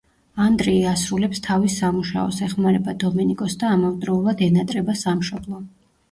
ანდრეი ასრულებს თავის სამუშაოს, ეხმარება დომენიკოს და ამავდროულად, ენატრება სამშობლო.